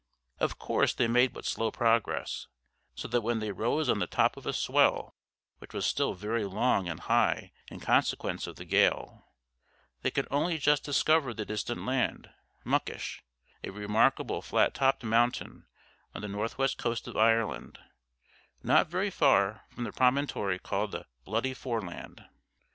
Of course they made but slow progress; so that when they rose on the top of a swell, which was still very long and high in consequence of the gale, they could only just discover the distant land, Muckish, a remarkable flat topped mountain on the northwest coast of Ireland, not very far from the promontory called the Bloody Foreland.